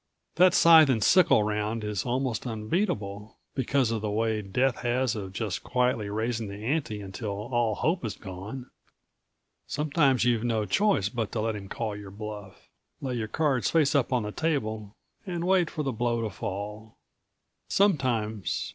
That scythe and sickle round is almost unbeatable because of the way Death has of just quietly raising the ante until all hope is gone. Sometimes you've no choice but to let him call your bluff, lay your cards face up on the table, and wait for the blow to fall. Sometimes